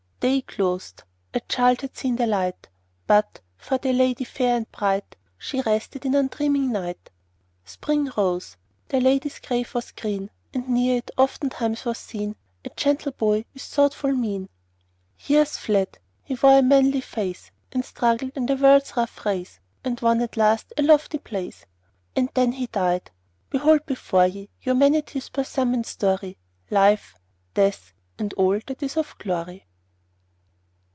Day closed; a child had seen the light; But, for the lady fair and bright, She rested in undreaming night. Spring rose; the lady's grave was green; And near it, oftentimes, was seen A gentle boy with thoughtful mien. Years fled; he wore a manly face, And struggled in the world's rough race, And won at last a lofty place. And then he died! Behold before ye Humanity's poor sum and story; Life, Death, and all that is of glory.